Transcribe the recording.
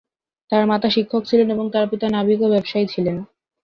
তার মাতা শিক্ষক ছিলেন এবং তার পিতা নাবিক ও ব্যবসায়ী ছিলেন।